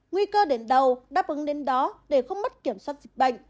nguy cơ đến đầu đáp ứng đến đó để không mất kiểm soát dịch bệnh